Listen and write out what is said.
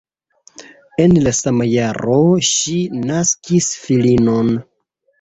En la sama jaro ŝi naskis filinon.